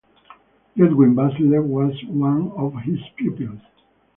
Ludwig Bussler was one of his pupils.